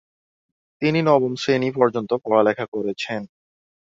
তিনি নবম শ্রেণী পর্যন্ত লেখাপড়া করেছেন।